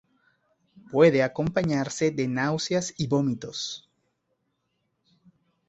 Puede acompañarse de náuseas y vómitos.